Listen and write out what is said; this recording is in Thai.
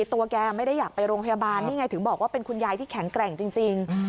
ตัวแกไม่ได้อยากไปโรงพยาบาลนี่ไงถึงบอกว่าเป็นคุณยายที่แข็งแกร่งจริง